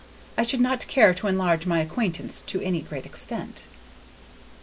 I should not care to enlarge my acquaintance to any great extent."